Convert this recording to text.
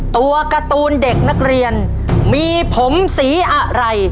ตัวการ์ตูนเด็กนักเรียนมีผมสีอะไร